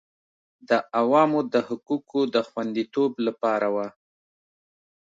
د عوامو د حقوقو د خوندیتوب لپاره وه